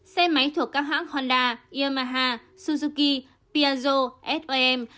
xe máy thuộc các hãng honda yamaha suzuki piaggio som